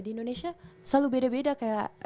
di indonesia selalu beda beda kayak